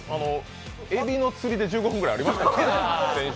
エビの釣りで１５分ぐらいありましたからね、先週。